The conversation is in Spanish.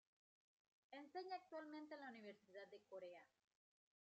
Enseña actualmente en la Universidad de Corea.